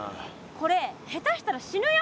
これ下手したら死ぬよ。